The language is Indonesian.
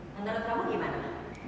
menurut kamu gimana